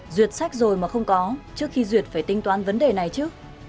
duyệt sách rồi mà không có trước khi duyệt phải tính toán vấn đề này chứ